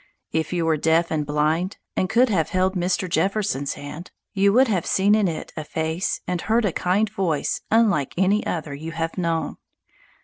If you were deaf and blind, and could have held Mr. Jefferson's hand, you would have seen in it a face and heard a kind voice unlike any other you have known.